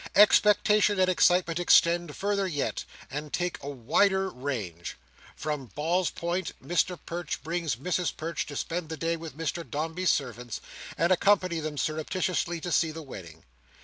Expectation and excitement extend further yet, and take a wider range. From Balls Pond, Mr Perch brings Mrs Perch to spend the day with Mr Dombey's servants, and accompany them, surreptitiously, to see the wedding.